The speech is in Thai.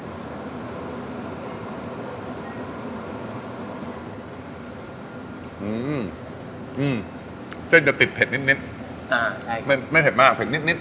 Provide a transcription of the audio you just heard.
อืมเส้นจะติดเผ็ดนิดนิดอ่าใช่ไม่ไม่เผ็ดมากเผ็ดนิดนิด